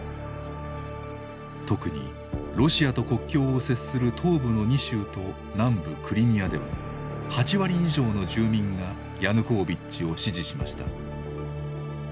特にロシアと国境を接する東部の２州と南部クリミアでは８割以上の住民がヤヌコービッチを支持しました。